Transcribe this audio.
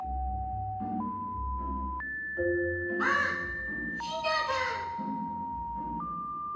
あっヒナだ！